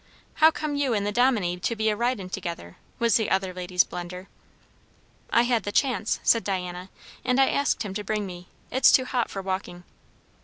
"How come you and the Dominie to be a ridin' together?" was the other lady's blunter question. "I had the chance," said Diana, "and I asked him to bring me. It's too hot for walking."